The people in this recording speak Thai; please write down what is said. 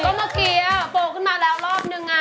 ก็เมื่อกี้โปรขึ้นมาแล้วรอบนึง